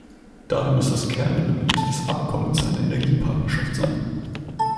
Daher muss das Kernelement des Abkommens eine Energiepartnerschaft sein.